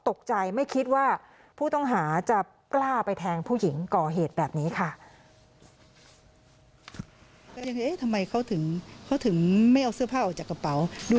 ตกใจไม่คิดว่าผู้ต้องหาจะกล้าไปแทงผู้หญิงก่อเหตุแบบนี้ค่ะ